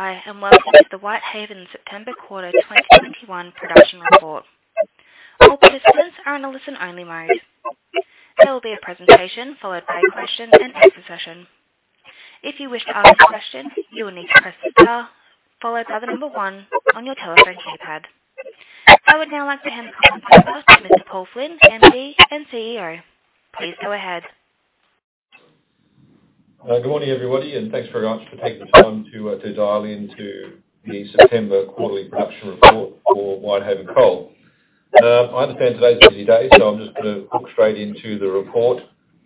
And welcome to the Whitehaven September Quarter 2021 production report. All participants are in a listen-only mode. There will be a presentation followed by a question and answer session. If you wish to ask a question, you will need to press star, followed by the number one on your telephone keypad. I would now like to hand the floor to Mr. Paul Flynn, MD and CEO. Please go ahead. Good morning, everybody, and thanks very much for taking the time to dial into the September Quarterly Production Report for Whitehaven Coal. I understand today's a busy day, so I'm just going to walk straight into the report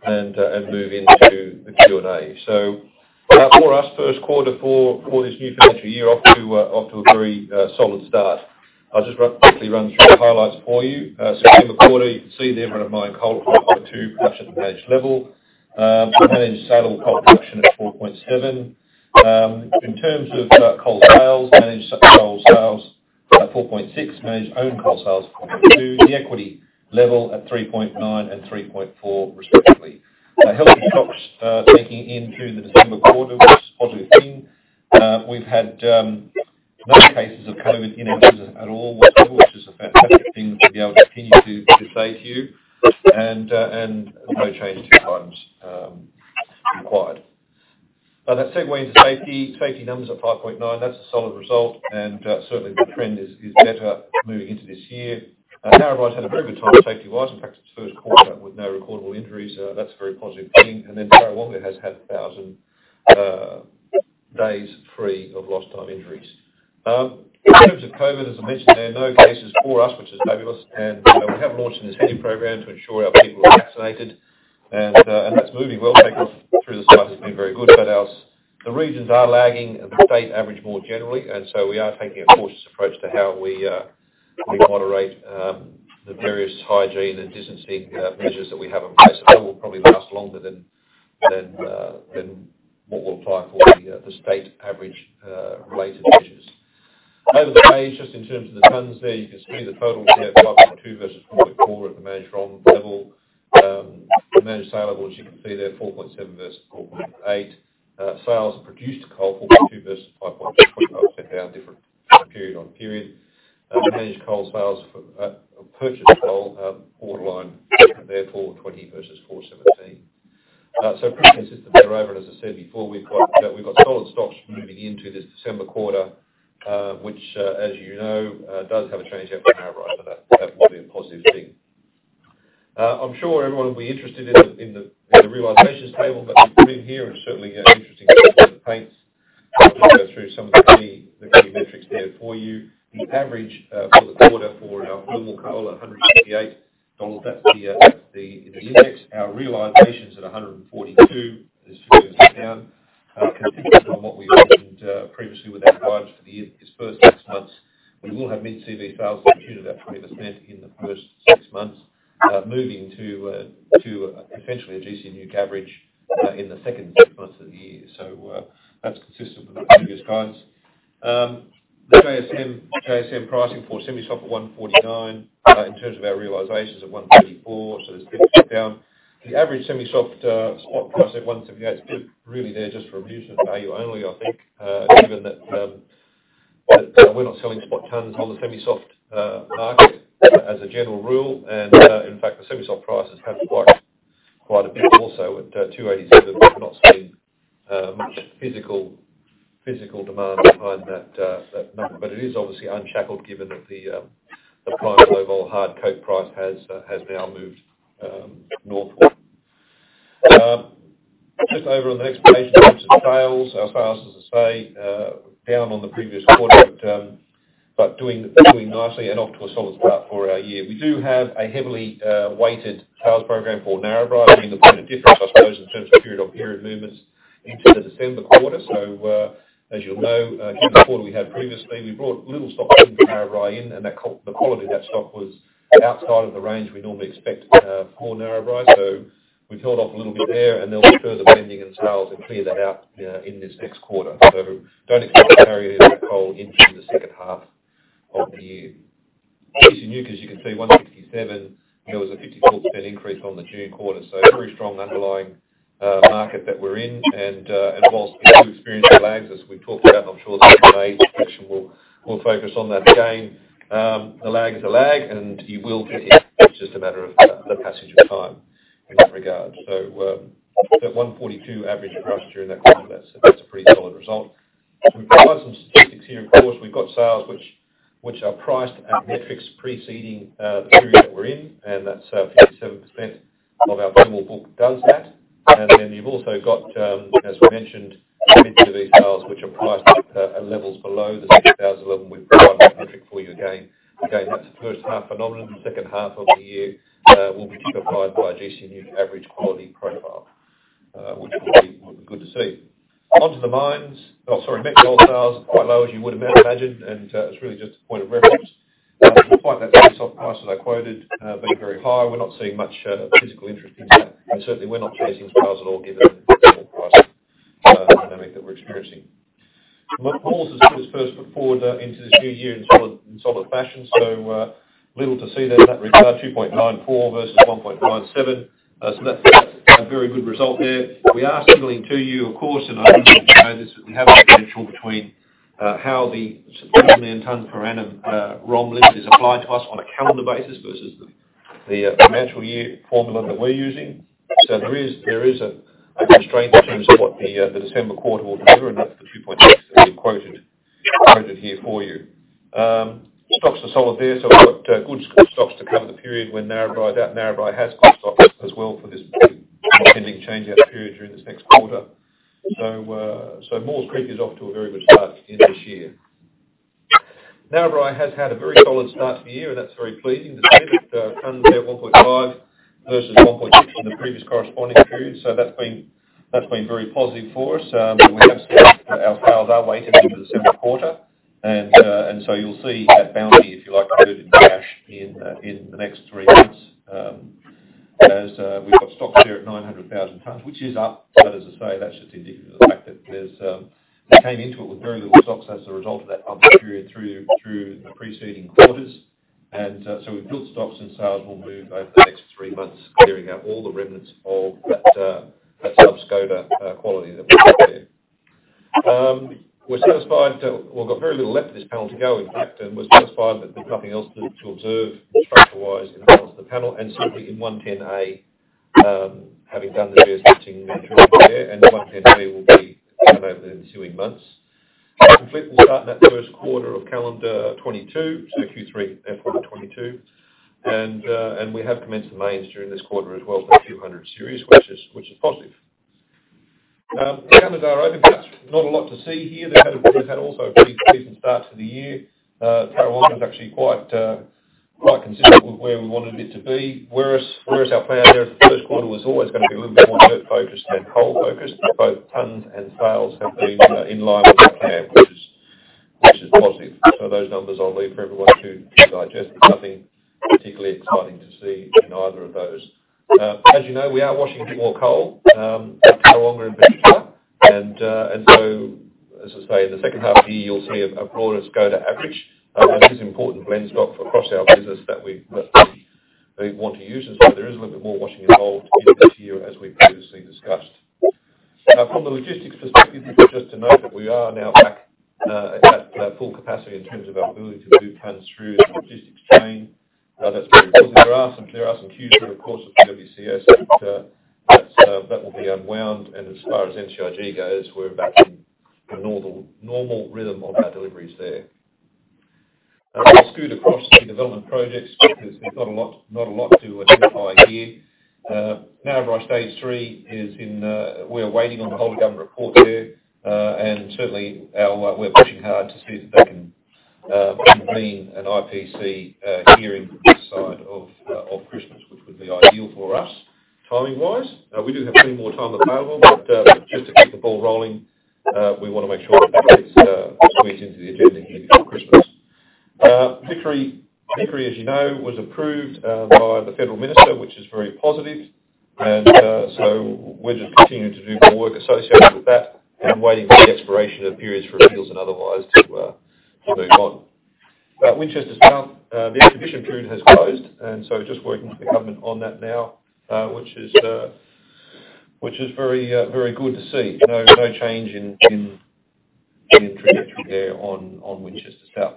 and move into the Q&A. So for us, first quarter for this new financial year, off to a very solid start. I'll just quickly run through the highlights for you. September quarter, you can see the volume of run-of-mine coal was at 5.2, production at managed level. Managed saleable coal production at 4.7. In terms of coal sales, managed coal sales at 4.6, managed own coal sales at 4.2, the equity level at 3.9 and 3.4 respectively. Healthy stocks taking into the December quarter was a positive thing. We've had no cases of COVID in our business at all, which is a fantastic thing to be able to continue to say to you, and no change to funds required. That segues into safety. Safety numbers at 5.9, that's a solid result, and certainly the trend is better moving into this year. And thus had a very good time safety-wise, in fact, its first quarter with no recordable injuries. That's a very positive thing. And then Tarrawonga has had 1,000 days free of Lost Time injuries. In terms of COVID, as I mentioned, there are no cases for us, which is fabulous. And we have launched an incentive program to ensure our people are vaccinated, and that's moving well. Takeoff through the summer has been very good. But the regions are lagging and the state average more generally, and so we are taking a cautious approach to how we moderate the various hygiene and distancing measures that we have in place. So they will probably last longer than what we'll apply for the state average-related measures. Over the page, just in terms of the tons there, you can see the totals here at 5.2 versus 4.4 at the managed ROM level and managed sale as you can see there, 4.7 versus 4.8. Sales of produced coal, 4.2 versus 5.2, different period-on-period. Managed coal sales for purchased coal, 4.20 versus 4.17. So pretty consistent with what I've already said before. We've got solid stocks moving into this December quarter, which, as you know, does have a change out for PWCS, so that will be a positive thing. I'm sure everyone will be interested in the realizations table that we've put in here, and certainly interesting points. I'll just go through some of the key metrics here for you. The average for the quarter for our normal coal at $168, that's the index. Our realizations at $142 is two years down. Consistent on what we've mentioned previously with our guidance for the year's first six months, we will have mid-CV sales of 20% in the first six months, moving to essentially a gC NEWC coverage in the second six months of the year. So that's consistent with the previous guidance. The JSM pricing for semi-soft at $149 in terms of our realizations at $134, so there's 50% down. The average semi-soft spot price at $178 is really there just for a reason of value only, I think, given that we're not selling spot tons on the semisoft market as a general rule. And in fact, the semisoft prices have quite a bit also, at $287, but we're not seeing much physical demand behind that number, but it is obviously unshackled given that the prime global hard coke price has now moved northward. Just over on the next page, in terms of sales, our sales, as I say, down on the previous quarter, but doing nicely and off to a solid start for our year. We do have a heavily weighted sales program for Narrabri, bringing the point of difference, I suppose, in terms of period-on-period movements into the December quarter. As you'll know, in the quarter we had previously, we brought a little stock into Narrabri, and the quality of that stock was outside of the range we normally expect for Narrabri. So we've held off a little bit there, and there'll be further blending in sales to clear that out in this next quarter. So don't expect to carry any of that coal into the second half of the year. gC NEWC, you can see 167, and there was a 54% increase on the June quarter. So very strong underlying market that we're in. And whilst the quarter experiences the lags as we've talked about, and I'm sure some of the session will focus on that again, the lag is a lag, and you will get it. It's just a matter of the passage of time in that regard. So that 142 average across during that quarter, that's a pretty solid result. So we've got some statistics here, of course. We've got sales which are priced at metrics preceding the period that we're in, and that's 57% of our total book does that. And then you've also got, as we mentioned, mid-CV sales, which are priced at levels below the 6,000 level. We've brought out that metric for you again. Again, that's the first half phenomenon. The second half of the year will be typified by gC NEWC average quality profile, which will be good to see. Onto the mines. Oh, sorry, met coal sales are quite low, as you would imagine, and it's really just a point of reference. Despite that semi-soft price that I quoted being very high, we're not seeing much physical interest in that. Certainly, we're not chasing sales at all given the small price dynamic that we're experiencing. Met coal is the first foot forward into this new year in solid fashion. So little to see there in that regard, 2.94 versus 1.97. So that's a very good result there. We are signaling to you, of course, and I do think we have a potential between how the 2 million tons per annum ROM limit is applied to us on a calendar basis versus the financial year formula that we're using. So there is a constraint in terms of what the December quarter will deliver, and that's the 2.6 that we've quoted here for you. Stocks are solid there, so we've got good stocks to cover the period when Narrabri is out. Narrabri has got stocks as well for this pending change-out period during this next quarter. Maules Creek is off to a very good start in this year. Narrabri has had a very solid start to the year, and that's very pleasing to see that tons there are 1.5 versus 1.6 in the previous corresponding period. That's been very positive for us. We have seen our sales are weighted into the second quarter, and so you'll see that bounty, if you like, in cash in the next three months as we've got stocks there at 900,000 tons, which is up. But as I say, that's just indicative of the fact that we came into it with very little stocks as a result of that bump period through the preceding quarters. We've built stocks, and sales will move over the next three months, clearing out all the remnants of that sub-spec quality that we've got there. We're satisfied. We've got very little left of this panel to go, in fact, and we're satisfied that there's nothing else to observe structure-wise in the panel, and certainly, in 110A, having done the geosketching through the year, and 110B will be done over the ensuing months. Complete will start in that first quarter of calendar 2022, so Q3, F1 of 2022, and we have commenced the mains during this quarter as well for the 200 series, which is positive. The calendar overview, that's not a lot to see here. The calendar has had also a pretty decent start to the year. Tarrawonga is actually quite consistent with where we wanted it to be. Whereas our plan there for the first quarter was always going to be a little bit more dirt-focused than coal-focused, both tons and sales have been in line with our plan, which is positive. So those numbers I'll leave for everyone to digest. There's nothing particularly exciting to see in either of those. As you know, we are washing more coal at Tarrawonga in particular. And so, as I say, in the second half of the year, you'll see a broader SCoTA average. That is important blend stock across our business that we want to use. And so there is a little bit more washing involved in this year, as we previously discussed. From the logistics perspective, it's just to note that we are now back at full capacity in terms of our ability to move tons through the logistics chain. That's very good. There are some queues that, of course, have been at PWCS, but that will be unwound. And as far as NCIG goes, we're back in the normal rhythm of our deliveries there. I'll scoot across the development projects because there's not a lot to identify here. Narrabri Stage Three is in. We are waiting on the whole of the government report there. And certainly, we're pushing hard to see that they can convene an IPC hearing this side of Christmas, which would be ideal for us timing-wise. We do have plenty more time available, but just to keep the ball rolling, we want to make sure that everything's squeezed into the agenda here for Christmas. Vickery, as you know, was approved by the Federal Minister, which is very positive. And so we're just continuing to do more work associated with that and waiting for the expiration of periods for appeals and otherwise to move on. But Winchester South, the exhibition period has closed, and so just working with the government on that now, which is very good to see. No change in trajectory there on Winchester South.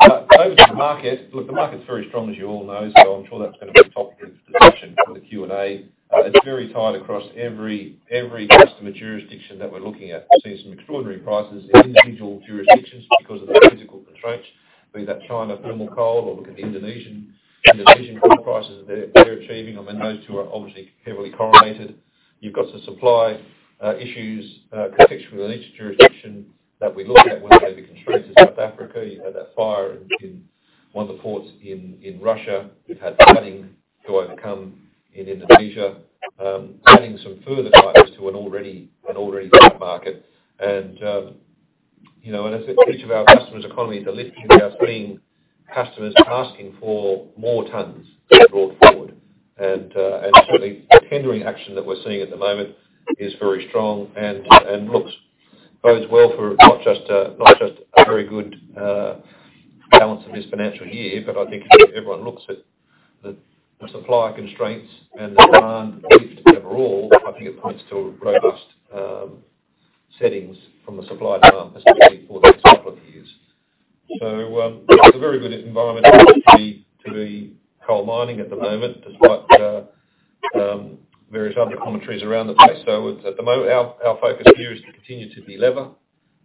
Over to the market. Look, the market's very strong, as you all know, so I'm sure that's going to be a topic of discussion for the Q&A. It's very tight across every customer jurisdiction that we're looking at. We're seeing some extraordinary prices in individual jurisdictions because of the physical constraints, be that China, thermal coal, or look at the Indonesian coal prices they're achieving. I mean, those two are obviously heavily correlated. You've got some supply issues contextually in each jurisdiction that we look at when they're constrained. There's South Africa. You've had that fire in one of the ports in Russia. We've had flooding to overcome in Indonesia, adding some further tightness to an already tight market, and as I said, each of our customers' economies are lifting without seeing customers asking for more tons to be brought forward. Certainly, the tendering action that we're seeing at the moment is very strong and looks both well for not just a very good balance of this financial year, but I think if everyone looks at the supply constraints and the demand lift overall, I think it points to robust settings from the supply demand, especially for the next couple of years. So it's a very good environment to be coal mining at the moment, despite various other commentaries around the place. So at the moment, our focus here is to continue to deliver,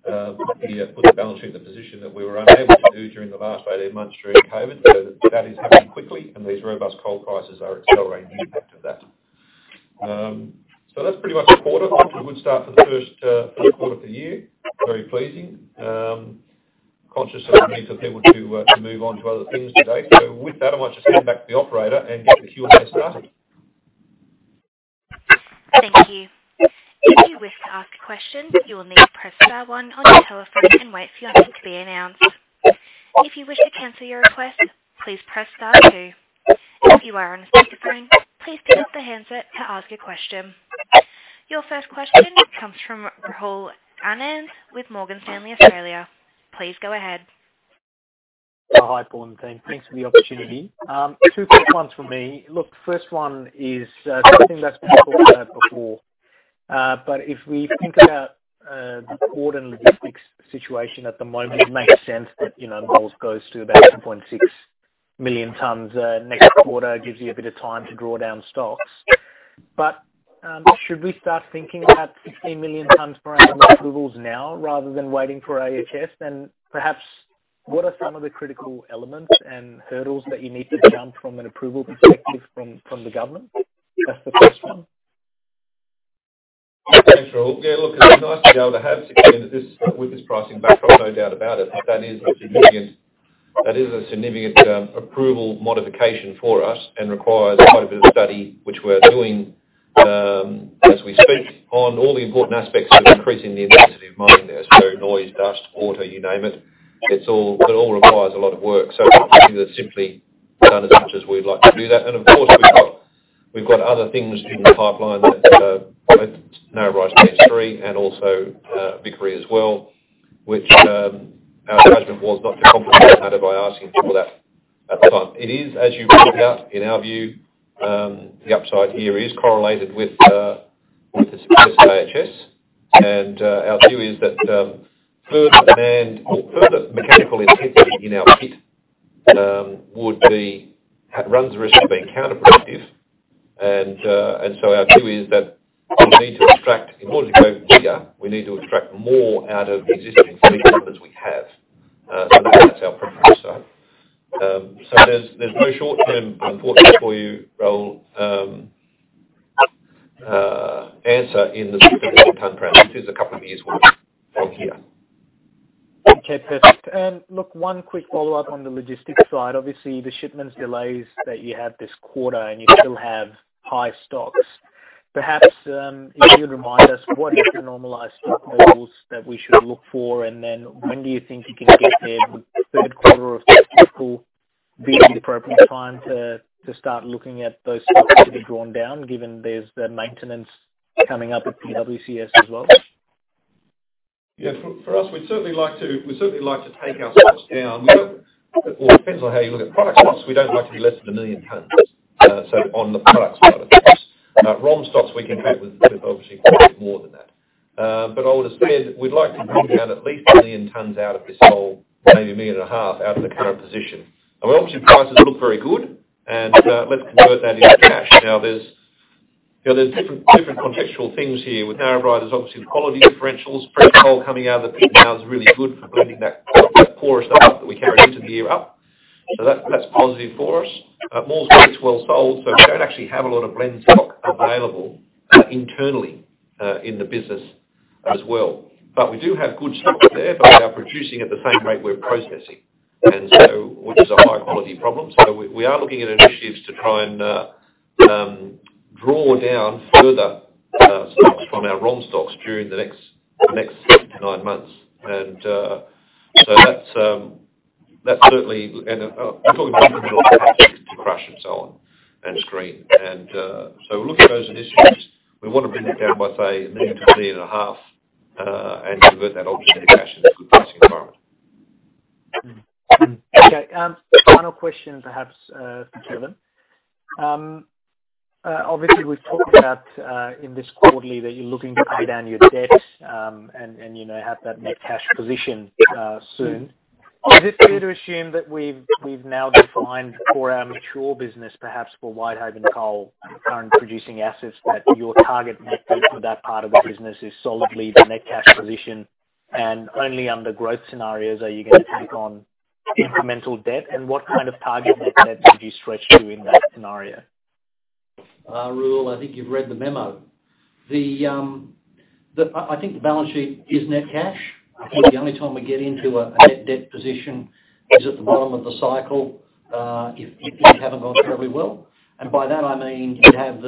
put the balance sheet in the position that we were unable to do during the last 18 months during COVID. So that is happening quickly, and these robust coal prices are accelerating the impact of that. So that's pretty much the quarter. Looks a good start for the first quarter of the year. Very pleasing. Conscious of the need for people to move on to other things today. So with that, I might just hand back to the operator and get the Q&A started. Thank you. If you wish to ask a question, you will need to press star one on your telephone and wait for your name to be announced. If you wish to cancel your request, please press star two. If you are on a speakerphone, please put up the handset to ask a question. Your first question comes from Rahul Anand with Morgan Stanley Australia. Please go ahead. Hi, Paul and Kevin. Thanks for the opportunity. Two quick ones for me. Look, the first one is something that's been talked about before. But if we think about the quarter and logistics situation at the moment, it makes sense that Maules goes to about 2.6 million tonnes next quarter, gives you a bit of time to draw down stocks. But should we start thinking about 15 million tonnes per annum approvals now rather than waiting for AHS? And perhaps, what are some of the critical elements and hurdles that you need to jump from an approval perspective from the government? That's the first one. Thanks, Rahul. Yeah, look, it's nice to be able to have 16 minutes with this pricing backdrop, no doubt about it. But that is a significant approval modification for us and requires quite a bit of study, which we're doing as we speak on all the important aspects of increasing the intensity of mining there. So noise, dust, water, you name it. It all requires a lot of work. So we've simply done as much as we'd like to do that. And of course, we've got other things in the pipeline that Narrabri's stage three and also Vickery as well, which our judgment was not to complicate matter by asking for that at the time. It is, as you pointed out, in our view, the upside here is correlated with the success of AHS. Our view is that further demand or further mechanical intensity in our pit runs the risk of being counterproductive. And so our view is that we need to extract, in order to go bigger, we need to extract more out of existing infrastructure we have. So that's our preference, sir. So there's no short-term, unfortunately for you, Rahul, answer in the specific time frame, which is a couple of years from here. Okay, perfect. And look, one quick follow-up on the logistics side. Obviously, the shipments delays that you have this quarter, and you still have high stocks. Perhaps if you'd remind us, what are the normalized stock levels that we should look for? And then when do you think you can get there with the third quarter of the fiscal being the appropriate time to start looking at those stocks to be drawn down, given there's maintenance coming up at PWCS as well? Yeah, for us, we'd certainly like to take our stocks down. Well, it depends on how you look at product stocks. We don't like to be less than a million tonnes. So on the product side of things, ROM stocks, we can take with obviously quite a bit more than that. But I would have said we'd like to bring down at least a million tonnes out of this coal, maybe 1.5 million out of the current position. And obviously, prices look very good, and let's convert that into cash. Now, there's different contextual things here. With Narrabri, there's obviously the quality differentials. Fresh coal coming out of the pit now is really good for blending that poorer stuff up that we carried into the year up. So that's positive for us. Maules Creek's well sold, so we don't actually have a lot of blend stock available internally in the business as well. But we do have good stocks there, but we are producing at the same rate we're processing, which is a high-quality problem. We are looking at initiatives to try and draw down further stocks from our ROM stocks during the next six to nine months. That's certainly—and we're talking about the cash to crush and so on and screen. Looking at those initiatives, we want to bring it down by, say, 1 million to 1.5 million and convert that obviously into cash in a good pricing environment. Okay. Final question, perhaps, for Kevin. Obviously, we've talked about in this quarterly that you're looking to tie down your debt and have that net cash position soon. Is it fair to assume that we've now defined for our mature business, perhaps for Whitehaven Coal and current producing assets, that your target net debt for that part of the business is solidly the net cash position? And only under growth scenarios are you going to take on incremental debt? And what kind of target net debt would you stretch to in that scenario? Rahul, I think you've read the memo. I think the balance sheet is net cash. I think the only time we get into a net debt position is at the bottom of the cycle if things haven't gone terribly well. And by that, I mean you'd have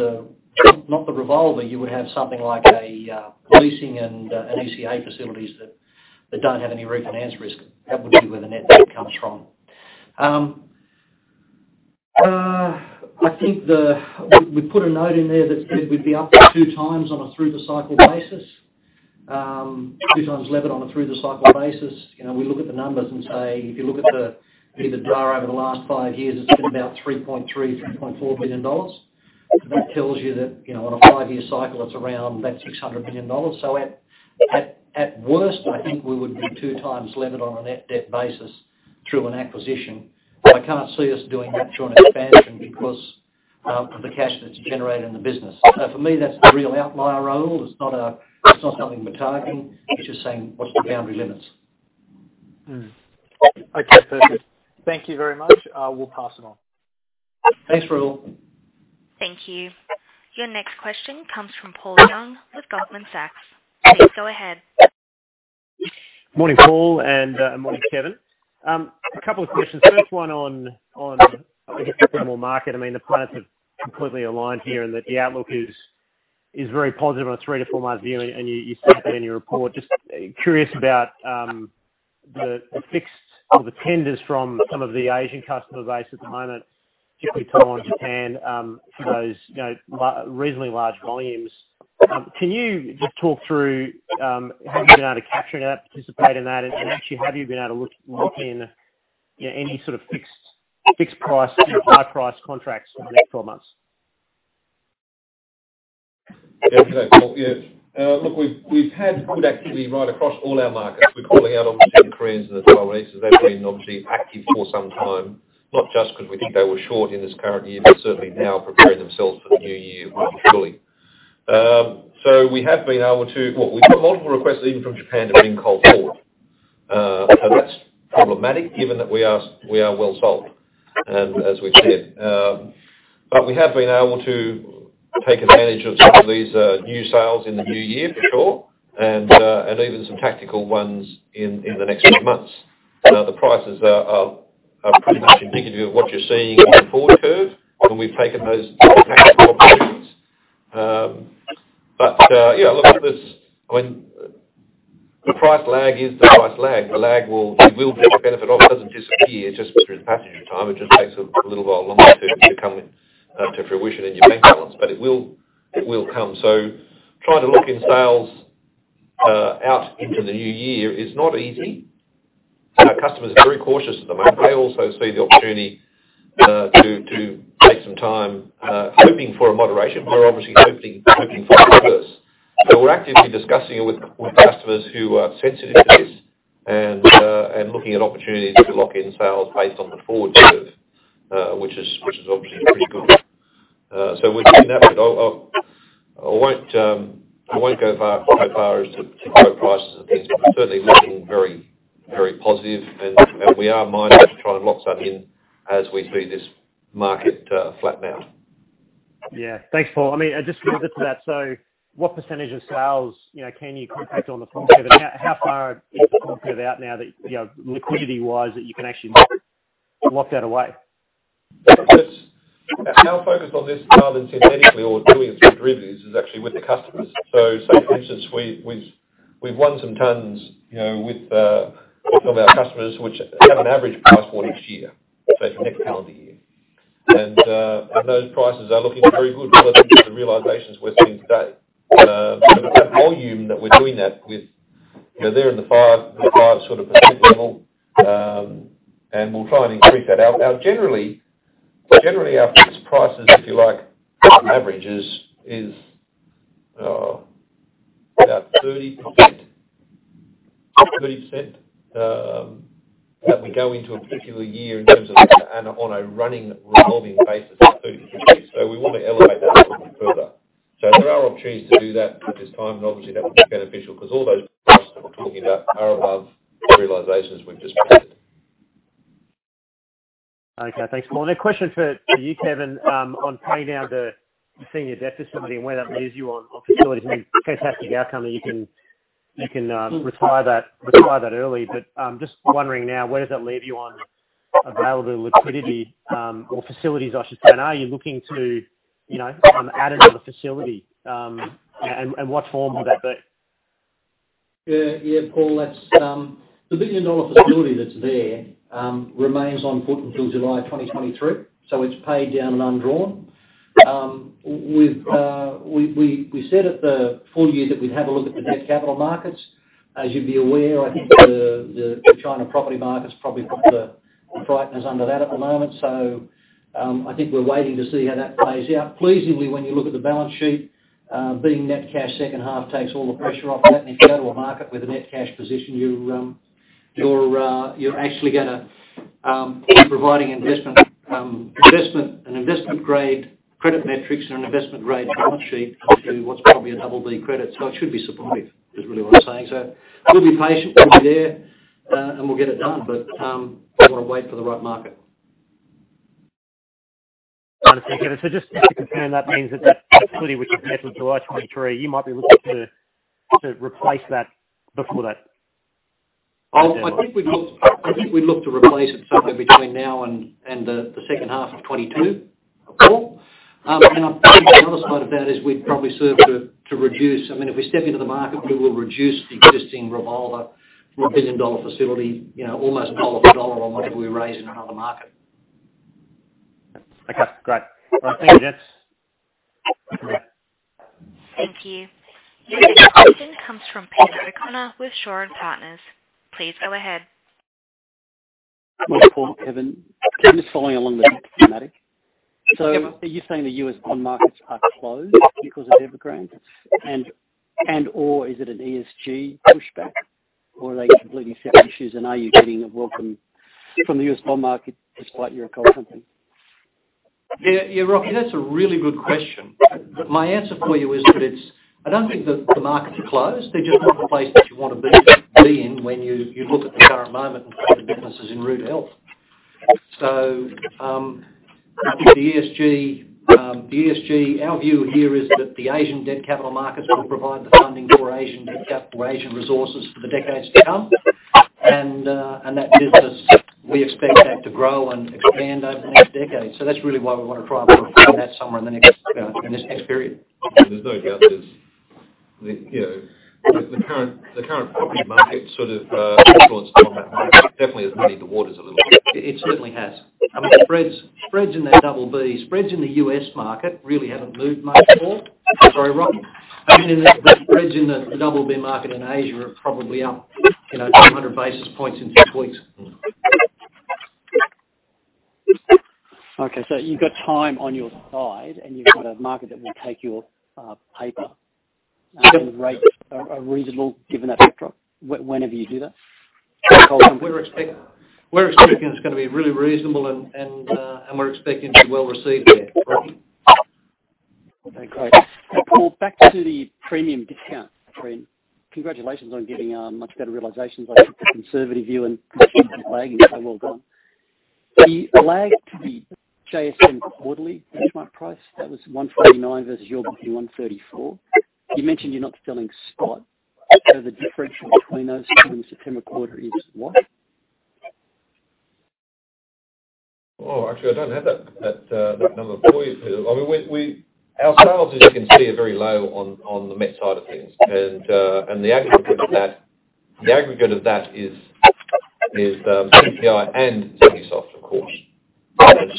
not the revolver. You would have something like a leasing and ECA facilities that don't have any refinance risk. That would be where the net debt comes from. I think we put a note in there that said we'd be up to two times on a through-the-cycle basis, two times levered on a through-the-cycle basis. We look at the numbers and say, if you look at the EBITDA over the last five years, it's been about $3.3 million, $3.4 million. So that tells you that on a five-year cycle, it's around about $600 million. So at worst, I think we would be two times levered on a net debt basis through an acquisition. I can't see us doing that through an expansion because of the cash that's generated in the business. So for me, that's the real outlier, Rahul. It's not something we're targeting. It's just saying, what's the boundary limits? Okay, perfect. Thank you very much. We'll pass it on. Thanks, Rahul. Thank you. Your next question comes from Paul Young with Goldman Sachs. Please go ahead. Good morning, Paul, and good morning, Kevin. A couple of questions. First one on the thermal market. I mean, the plans have completely aligned here and that the outlook is very positive on a three-to-four-month view, and you said that in your report. Just curious about the fixed or the tenders from some of the Asian customer base at the moment, particularly Taiwan, Japan, for those reasonably large volumes. Can you just talk through how you've been able to capture that, participate in that, and actually have you been able to look in any sort of fixed-price, high-price contracts for the next 12 months? Yeah, look, we've had good activity right across all our markets. We're calling out obviously the Koreans and the Taiwanese. They've been obviously active for some time, not just because we think they were short in this current year, but certainly now preparing themselves for the new year more surely. So we have been able to, well, we've got multiple requests even from Japan to bring coal forward. So that's problematic given that we are well sold, as we've said. But we have been able to take advantage of some of these new sales in the new year, for sure, and even some tactical ones in the next few months. The prices are pretty much indicative of what you're seeing in the forward curve when we've taken those tactical opportunities. But yeah, look, I mean, the price lag is the price lag. The lag will be a benefit if it doesn't disappear just through the passage of time. It just takes a little while longer to come to fruition in your bank balance, but it will come. Trying to lock in sales out into the new year is not easy. Customers are very cautious at the moment. They also see the opportunity to take some time hoping for a moderation, but they're obviously hoping for the reverse. We're actively discussing it with customers who are sensitive to this and looking at opportunities to lock in sales based on the forward curve, which is obviously pretty good. We're doing that, but I won't go so far as to quote prices and things, but we're certainly looking very positive, and we are minded to try and lock something in as we see this market flatten out. Yeah. Thanks, Paul. I mean, just related to that, so what percentage of sales can you contract on the forward curve? And how far are you talking about now that liquidity-wise that you can actually lock that away? Our focus on this, rather than synthetically or doing it through derivatives, is actually with the customers. So for instance, we've won some tons with some of our customers which have an average price point each year, say for next calendar year. And those prices are looking very good relative to the realizations we're seeing today. So that volume that we're doing that with, they're in the 5% sort of level, and we'll try and increase that. Generally, our fixed prices, if you like, on average, is about 30% that we go into a particular year in terms of on a running revolving basis of 30%. So we want to elevate that a little bit further. So there are opportunities to do that at this time, and obviously that would be beneficial because all those prices that we're talking about are above the realizations we've just put in. Okay. Thanks, Paul. And a question for you, Kevin, on paying down the senior debt facility and where that leaves you on facilities. I mean, fantastic outcome that you can retire that early, but just wondering now, where does that leave you on available liquidity or facilities, I should say? And are you looking to add another facility, and what form would that be? Yeah, Paul, the $1 billion facility that's there remains on foot until July 2023, so it's paid down and undrawn. We said at the full year that we'd have a look at the debt capital markets. As you'd be aware, I think the China property market's probably put the frighteners on that at the moment. So I think we're waiting to see how that plays out. Pleasingly, when you look at the balance sheet, being net cash second half takes all the pressure off that, and if you go to a market with a net cash position, you're actually going to be providing an investment-grade credit metrics and an investment-grade balance sheet to what's probably a double B credit. So it should be supportive, is really what I'm saying. So we'll be patient. We'll be there, and we'll get it done, but we want to wait for the right market. Got it. Thank you. So just to confirm, that means that that facility, which is set for July 2023, you might be looking to replace that before that? I think we'd look to replace it somewhere between now and the second half of 2022, of course. And I think the other side of that is we'd probably serve to reduce. I mean, if we step into the market, we will reduce the existing revolver from an 1 billion dollar facility, almost dollar for dollar on whatever we raise in another market. Okay. Great. All right. Thank you, gents. Thank you. The next question comes from Peter O'Connor with Shaw & Partners. Please go ahead. Thanks, Paul. Kevin. Kevin's following along the theme. So are you saying the U.S. bond markets are closed because of Evergrande? And/or is it an ESG pushback, or are they completely separate issues, and are you getting a welcome from the U.S. bond market despite your coal company? Yeah, Rocky? That's a really good question. My answer for you is that I don't think the markets are closed. They're just not the place that you want to be in when you look at the current moment and see the business is in rude health. So I think the ESG, our view here is that the Asian debt capital markets will provide the funding for Asian resources for the decades to come, and that business, we expect that to grow and expand over the next decade. So that's really why we want to try and put a foot in that somewhere in this next period. There's no doubt the current property market sort of influence on that definitely has muddied the waters a little bit. It certainly has. I mean, spreads in that double B, spreads in the U.S. market really haven't moved much at all. Sorry, Rocky? I mean, the spreads in the double B market in Asia are probably up 200 basis points in six weeks. Okay. So you've got time on your side, and you've got a market that will take your paper and rates are reasonable given that backdrop whenever you do that? We're expecting it's going to be really reasonable, and we're expecting to be well received there. Okay. Great. Paul, back to the premium discount trend. Congratulations on getting much better realizations, I think, for conservative you and consistent lagging, so well done. The lag to the JSM quarterly benchmark price, that was 149 versus your booking 134. You mentioned you're not selling spot. So the differential between those two in the September quarter is what? Oh, actually, I don't have that number for you. I mean, our sales, as you can see, are very low on the met side of things. And the aggregate of that is PCI and semi-soft, of course. And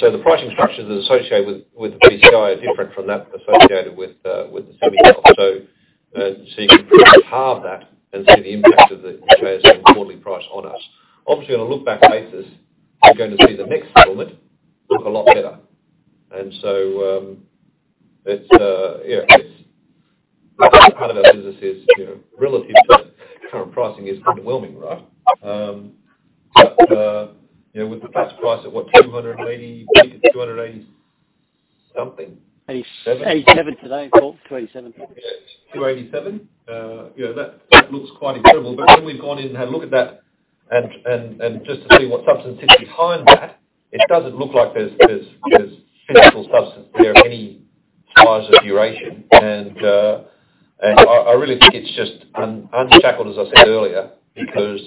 so the pricing structures associated with the PCI are different from that associated with the semi-soft. So you can pretty much halve that and see the impact of the JSM quarterly price on us. Obviously, on a look-back basis, you're going to see the next development look a lot better. And so part of our business is relative to current pricing is underwhelming, right? But with the price at what, 280? I think it's 280-something. 87? 87 today, Paul 287 287? Yeah, that looks quite incredible, but then we've gone in and had a look at that, and just to see what substance sits behind that, it doesn't look like there's physical substance there of any size or duration, and I really think it's just unshackled, as I said earlier, because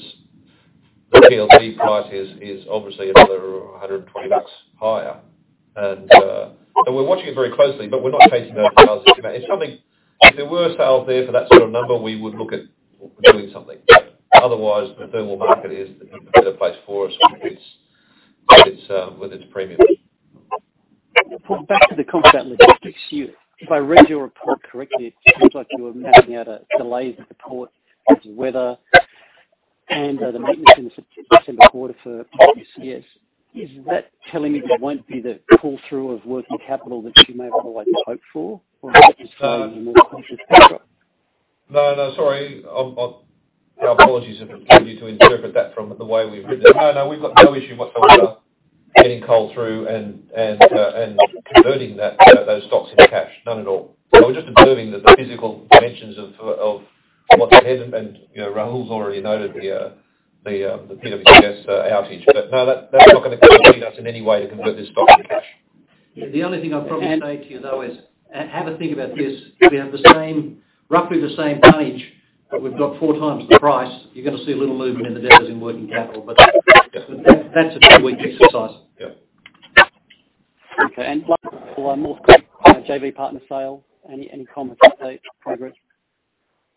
the PLV price is obviously another $120 higher, and so we're watching it very closely, but we're not chasing those sales. If there were sales there for that sort of number, we would look at doing something. Otherwise, the thermal market is a better place for us with its premiums. Paul, back to the coal-based logistics. If I read your report correctly, it seems like you were mapping out a delayed report because of weather and the maintenance in the December quarter for PWCS. Is that telling me there won't be the pull-through of working capital that you may have otherwise hoped for, or is that just following a more cautious backdrop? No, no. Sorry. Our apologies if we need to interpret that from the way we've written it. No, no. We've got no issue whatsoever getting coal through and converting those stocks into cash. None at all. So we're just observing the physical dimensions of what's ahead, and Rahul's already noted the PWCS outage. But no, that's not going to constrain us in any way to convert this stock into cash. Yeah. The only thing I'd probably say to you, though, is have a think about this. We have roughly the same tonnage, but we've got four times the price. You're going to see a little movement in the debtors in working capital, but that's a two-week exercise. Yeah. Okay. And last one on Maules Creek, JV partner sales, any comments on that progress?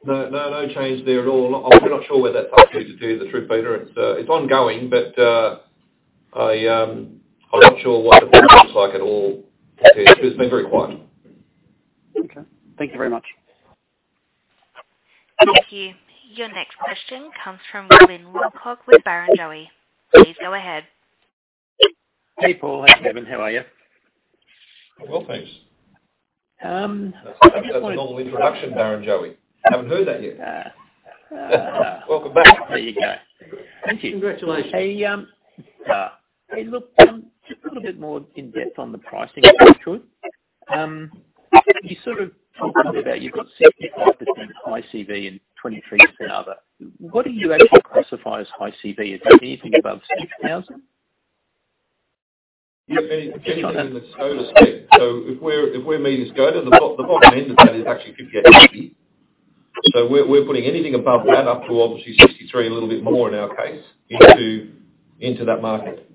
No, no change there at all. I'm not sure where that's up to, to tell you the truth, Peter. It's ongoing, but I'm not sure what the process looks like at all here. It's been very quiet. Okay. Thank you very much. Thank you. Your next question comes from Glyn Lawcock with Barrenjoey. Please go ahead. Hey, Paul. Hey, Kevin. How are you? I'm well, thanks. That's a good little introduction, Barrenjoey. Haven't heard that yet. Welcome back. There you go. Thank you. Congratulations. A little bit more in-depth on the pricing, if I should. You sort of talked a bit about you've got 65% high CV and 23% other. What do you actually classify as high CV? Is that anything above 6,000? Yeah. Meaning the SCoTA bit. So if we're meeting SCoTA, the bottom end of that is actually 58. So we're putting anything above that up to obviously 63, a little bit more in our case, into that market.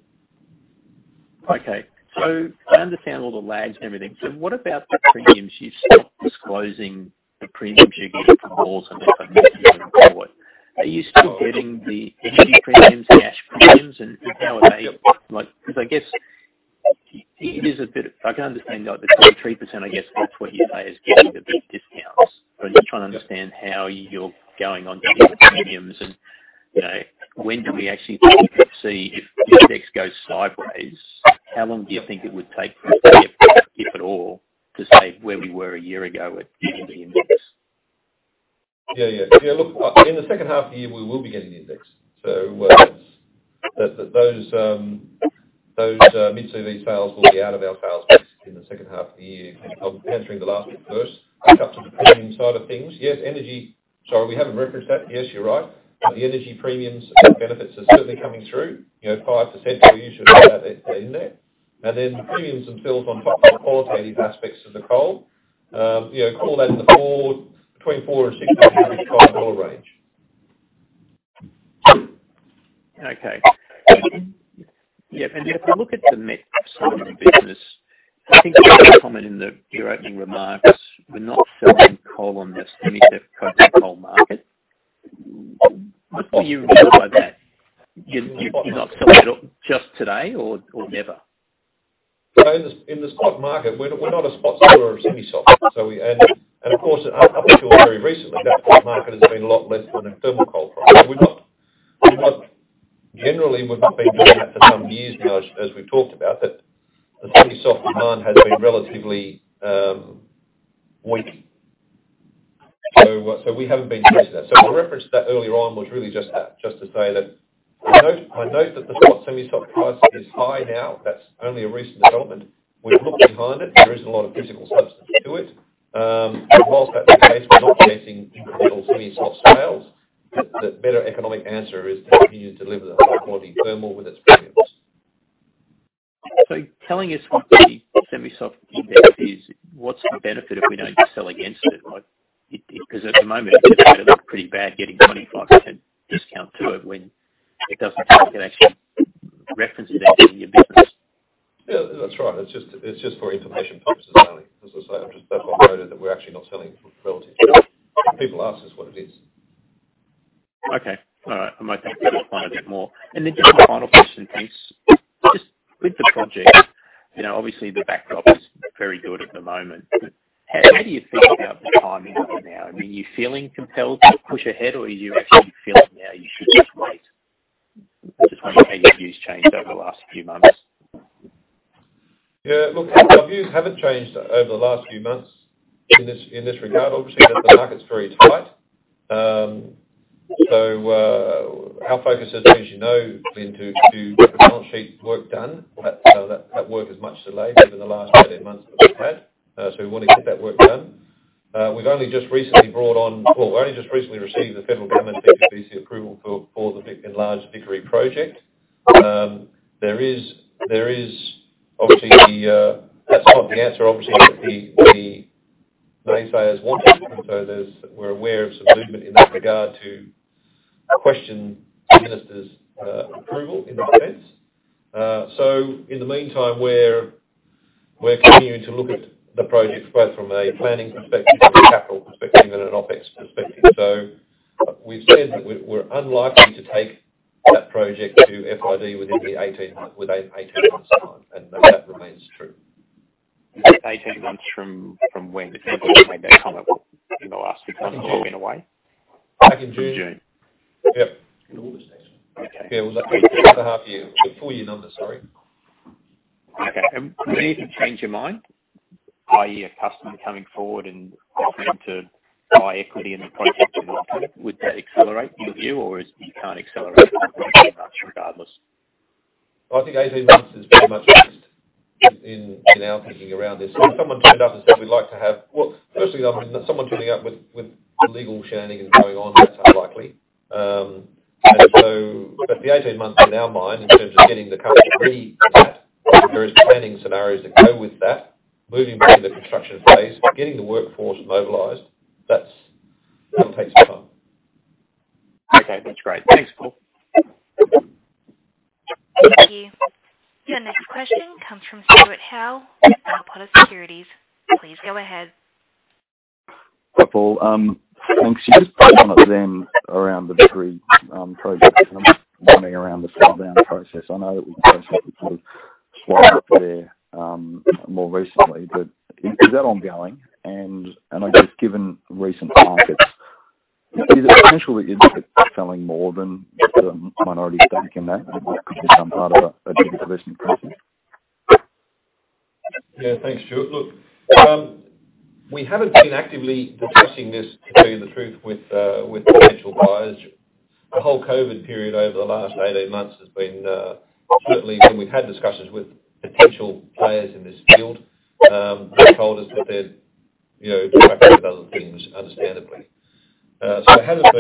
Okay. So I understand all the lags and everything. So what about the premiums? You stopped disclosing the premiums you're getting from JSMs and that kind of thing in the report. Are you still getting any premiums, cash premiums, and how are they? Because I guess it is a bit, I can understand the 23%. I guess that's what you say is getting the big discounts. But I'm just trying to understand how you're going to get the premiums, and when do we actually see if the index goes sideways? How long do you think it would take for us to get, if at all, to say where we were a year ago with the index? Yeah, yeah. Yeah. Look, in the second half of the year, we will be getting the index. So those mid-CV sales will be out of our sales basis in the second half of the year, entering the last quarter. It's up to the premium side of things. Yes, energy, sorry, we haven't referenced that. Yes, you're right. But the energy premiums and benefits are certainly coming through. 5%, we usually have that in there. And then the premiums themselves on top of the qualitative aspects of the coal, coal that in the $24 and $60 to $65 dollar range. Okay. Yeah. And if we look at the met side of the business, I think you're very clear in your opening remarks, "We're not selling coal on the semi-soft coking coal market." What do you mean by that? You're not selling it just today or never? In the spot market, we're not a spot seller of semi-soft. And of course, up until very recently, that spot market has been a lot less than a thermal coal product. Generally, we've not been doing that for some years now, as we've talked about, that the semi-soft demand has been relatively weak. So we haven't been doing that. So I referenced that earlier on was really just that, just to say that I know that the spot semi-soft price is high now. That's only a recent development. We've looked behind it. There isn't a lot of physical substance to it. And while that's the case, we're not chasing individual semi-soft sales. The better economic answer is to continue to deliver the high-quality thermal with its premiums. So telling us what the semi-soft index is, what's the benefit if we don't sell against it? Because at the moment, it's pretty bad getting 25% discount to it when it doesn't actually reference it in your business. Yeah. That's right. It's just for information purposes only. As I say, that's what I noted, that we're actually not selling relative. People ask us what it is. Okay. All right. I might take that question a bit more, and then just one final question, please. Just with the project, obviously the backdrop is very good at the moment. How do you feel about the timing now? I mean, are you feeling compelled to push ahead, or are you actually feeling now you should just wait? Just wondering how your views changed over the last few months. Yeah. Look, our views haven't changed over the last few months in this regard. Obviously, the market's very tight. So our focus has, as you know, been to get the balance sheet work done. That work has much delayed over the last 18 months that we've had. So we want to get that work done. We've only just recently received the Federal Government IPC approval for the enlarged Vickery project. There is, obviously, that's not the answer, obviously, that the naysayers wanted. And so we're aware of some movement in that regard to question the minister's approval in that sense. So in the meantime, we're continuing to look at the project both from a planning perspective, from a capital perspective, and an OpEx perspective. So we've said that we're unlikely to take that project to FID within the 18 months time, and that remains true. Eighteen months from when? It's not going to make that comment in the last six months or in a way? Back in June. In June? Yeah. In August, actually. Okay. Yeah. It was actually two and a half years. Four-year numbers, sorry. Okay. And do you need to change your mind? i.e., a customer coming forward and offering to buy equity in the project? Would that accelerate your view, or you can't accelerate that much regardless? I think 18 months is pretty much best in our thinking around this. If someone turned up and said, "We'd like to have-" well, firstly, someone turning up with legal shenanigans and going on, that's unlikely. But the 18 months in our mind, in terms of getting the company ready for that, there are planning scenarios that go with that. Moving to the construction phase, getting the workforce mobilized, that'll take some time. Okay. That's great. Thanks, Paul. Thank you. Your next question comes from Stuart Howe with Bell Potter Securities. Please go ahead. Hi, Paul. Thanks. You just put one of them around the Vickery project, and I'm wondering about the sell-down process. I know that we've basically sort of sold down there more recently, but is that ongoing? And I guess, given recent markets, is there potential that you're selling more than the minority stake in that? Could that be some part of a dilutive investment process? Yeah. Thanks, Stuart. Look, we haven't been actively discussing this, to tell you the truth, with potential buyers. The whole COVID period over the last 18 months has been certainly, and we've had discussions with potential players in this field. They've told us that they're distracted with other things, understandably. So it hasn't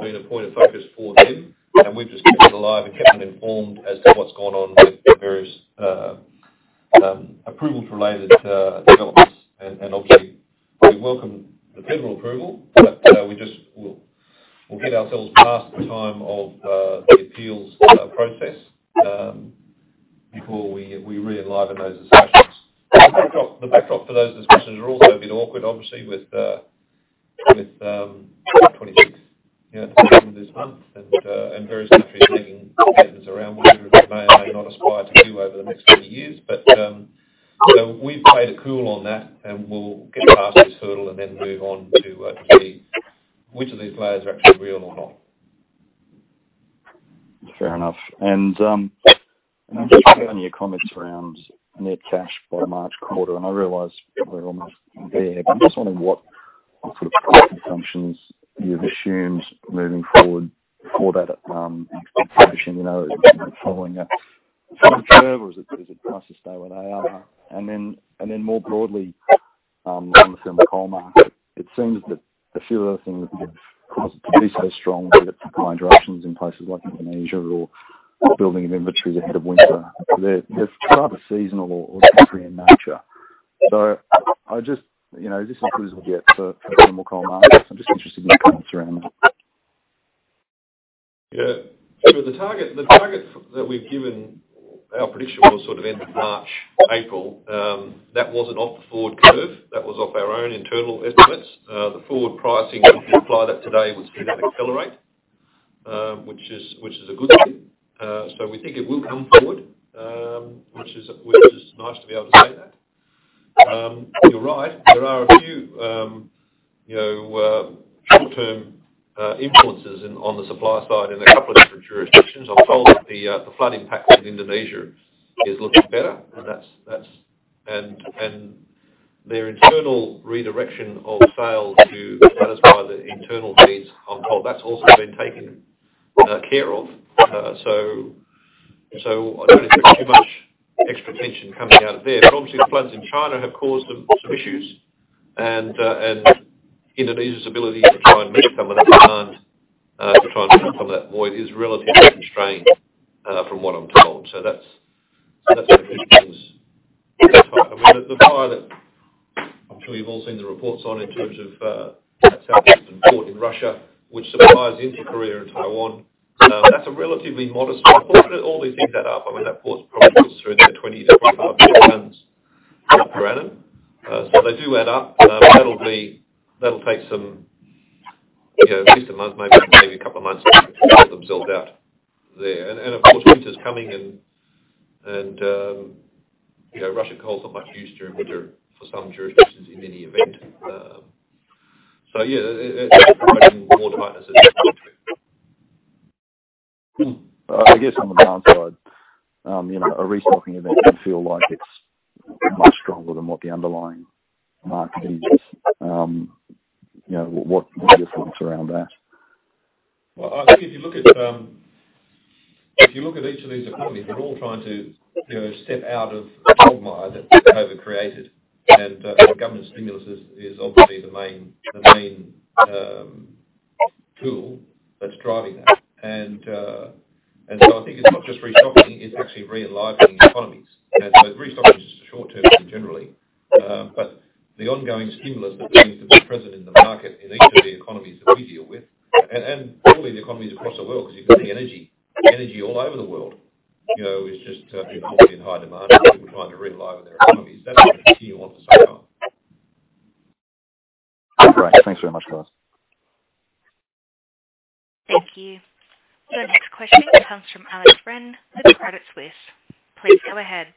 been a point of focus for them, and we've just kept it alive and kept them informed as to what's gone on with various approvals-related developments. And obviously, we welcome the federal approval, but we just will get ourselves past the time of the appeals process before we re-enliven those discussions. The backdrop for those discussions are also a bit awkward, obviously, with 26, yeah, this month, and various countries making statements around what they may or may not aspire to do over the next 20 years. but we've played it cool on that, and we'll get past this hurdle and then move on to see which of these players are actually real or not. Fair enough. And I'm just getting your comments around net cash by March quarter, and I realize we're almost there. But I'm just wondering what sort of price assumptions you've assumed moving forward for that expectation, following a certain curve, or is it nice to stay where they are? And then more broadly, on the thermal coal market, it seems that a few of the things that have caused it to be so strong, whether it's the combined disruptions in places like Indonesia or building of inventories ahead of winter, they're rather seasonal or temporary in nature. So I just. This is as good as we get for thermal coal markets. I'm just interested in your comments around that. Yeah. So the target that we've given, our prediction was sort of end of March, April. That wasn't off the forward curve. That was off our own internal estimates. The forward pricing would imply that today would see that accelerate, which is a good thing. So we think it will come forward, which is nice to be able to say that. You're right. There are a few So yeah, it's providing more tightness at this point. I guess on the downside, a restocking event can feel like it's much stronger than what the underlying market is. What are your thoughts around that? Well, I think if you look at each of these economies, we're all trying to step out of the drama that COVID created, and government stimulus is obviously the main tool that's driving that, and so I think it's not just restocking; it's actually re-enlivening economies, and so restocking is just a short-term thing generally, but the ongoing stimulus that seems to be present in the market in each of the economies that we deal with, and probably the economies across the world, because you can see energy all over the world is just being pulled in high demand, and people are trying to re-enliven their economies. That's going to continue on for some time. All right. Thanks very much, guys. Thank you. Your next question comes from Alex Ren, with Credit Suisse. Please go ahead.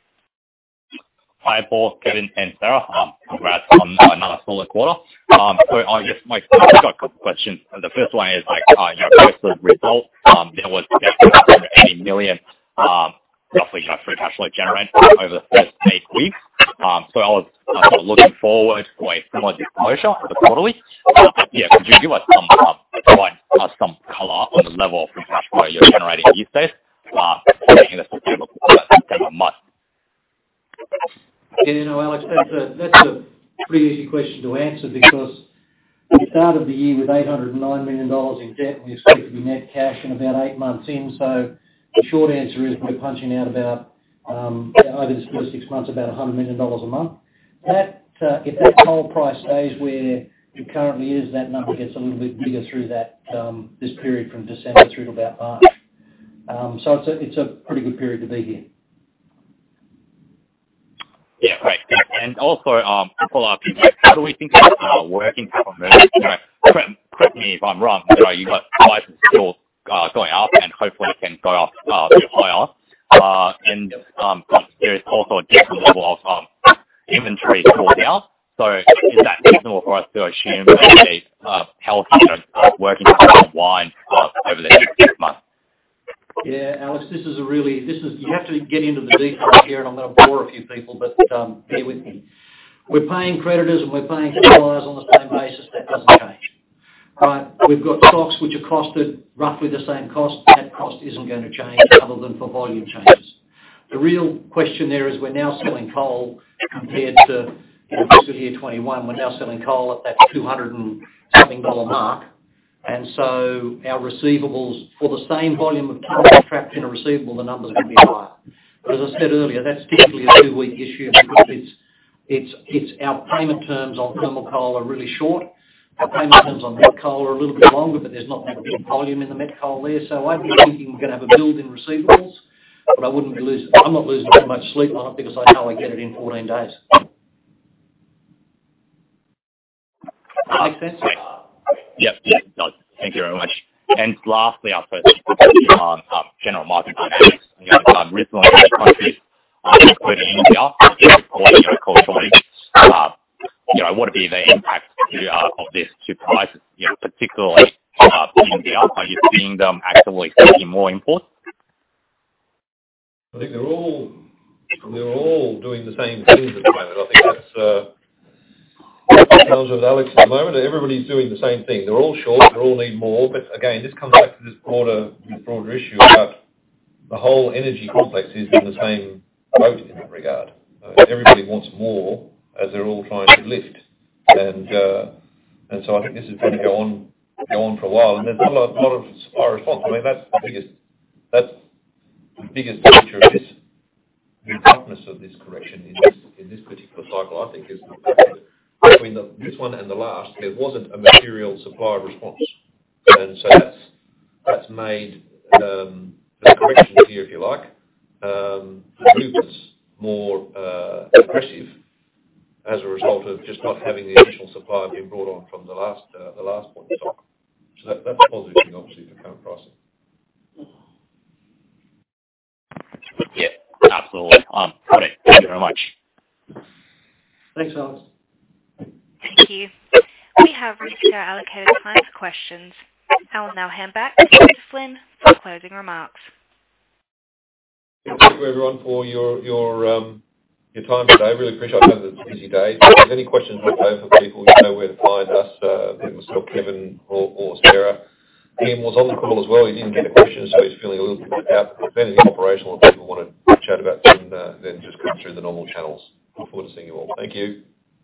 Hi, Paul, Kevin and Sarah. Congrats on another solid quarter, so I guess my first question, the first one is your estimated result. There was definitely over 80 million roughly free cash flow generated over the first eight weeks, so I was sort of looking forward to a similar disclosure as a quarterly. Yeah. Could you give us some color on the level of free cash flow you're generating these days in the first 10 months? Yeah. You know, Alex, that's a pretty easy question to answer because we started the year with 809 million dollars in debt, and we expect to be net cash in about eight months in. So the short answer is we're punching out about, over the first six months, about 100 million dollars a month. If that coal price stays where it currently is, that number gets a little bit bigger through this period from December through to about March. So it's a pretty good period to be here. Yeah. Great. And also, Paul, how do we think about working capital? Correct me if I'm wrong, but you've got prices still going up, and hopefully, it can go up higher. And there's also a different level of inventory pulled out. So is that reasonable for us to assume a healthy working capital line over the next six months? Yeah. Alex, this is a really, you have to get into the details here, and I'm going to bore a few people, but be with me. We're paying creditors and we're paying suppliers on the same basis. That doesn't change. Right? We've got stocks which have costed roughly the same cost. That cost isn't going to change other than for volume changes. The real question there is we're now selling coal compared to fiscal year 2021. We're now selling coal at that $200-and-something dollar mark. And so our receivables for the same volume of coal trapped in a receivable, the numbers are going to be higher. But as I said earlier, that's typically a two-week issue because our payment terms on thermal coal are really short. Our payment terms on met coal are a little bit longer, but there's not that big volume in the met coal there. So I've been thinking we're going to have a build in receivables, but I'm not losing too much sleep on it because I know I get it in 14 days. Does that make sense? Yep. Thank you very much. And lastly, our first question on general market dynamics and your response to countries including India, which is a coal trade. What would be the impact of this to prices, particularly in India? Are you seeing them actively seeking more imports? I think they're all doing the same things at the moment. I think that's what comes with Alex at the moment. Everybody's doing the same thing. They're all short. They all need more. But again, this comes back to this broader issue about the whole energy complex is in the same boat in that regard. Everybody wants more as they're all trying to lift, and so I think this is going to go on for a while, and there's not a lot of supply response. I mean, that's the biggest feature of this roughness of this correction in this particular cycle. I think it's the fact that between this one and the last, there wasn't a material supply response. And so that's made the correction here, if you like, the movements more aggressive as a result of just not having the additional supply being brought on from the last point in time. So that's a positive thing, obviously, for current pricing. Yeah. Absolutely. Got it. Thank you very much. Thanks, Alex. Thank you. We have reached our allocated time for questions. I will now hand back to Paul Flynn for closing remarks. Thank you, everyone, for your time today. I really appreciate it. I know that it's a busy day. If there's any questions left over for people, you know where to find us. We've got Kevin or Sarah. Ian was on the call as well. He didn't get a question, so he's feeling a little bit out. If there's anything operational that people want to chat about, then just come through the normal channels. Look forward to seeing you all. Thank you.